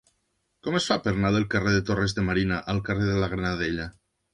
Com es fa per anar del carrer de Torres de Marina al carrer de la Granadella?